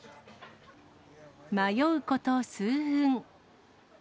迷うこと数分。